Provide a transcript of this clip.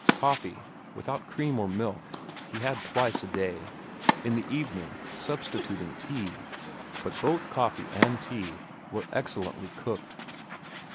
Coffee, without cream or milk, he had twice a day, in the evening substituting tea; but both coffee and tea were excellently cooked.